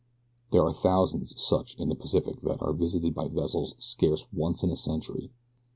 There are thousands such in the Pacific that are visited by vessels scarce once in a century.